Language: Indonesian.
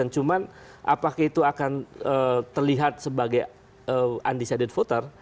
cuman apakah itu akan terlihat sebagai undecided voter